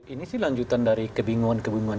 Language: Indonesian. ini sih lanjutan dari kebingungan kebingungan